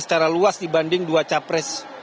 secara luas dibanding dua capres